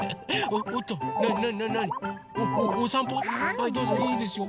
はいどうぞいいですよ。